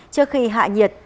trước khi hạ nhiệt